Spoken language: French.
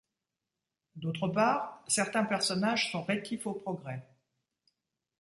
D'autre part, certains personnages sont rétifs au progrès.